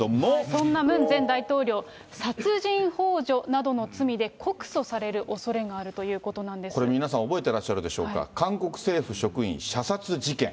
そんなムン前大統領、殺人ほう助などの罪で告訴されるおそれこれ、皆さん、覚えてらっしゃるでしょうか、韓国政府職員射殺事件。